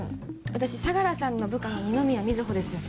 私相良さんの部下の二宮瑞穂です。